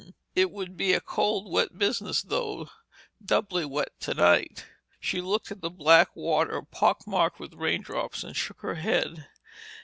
"Hm! It would be a cold wet business, though. Doubly wet tonight." She looked at the black water pock marked with raindrops and shook her head.